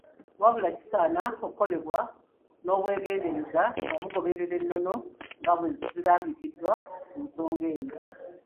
Wabula kisaana okukolebwa n'obwegendereza nga mugoberera ennono nga bwezirambikiddwa ku nsonga eno.